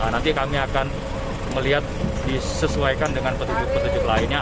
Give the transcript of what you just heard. nanti kami akan melihat disesuaikan dengan petunjuk petunjuk lainnya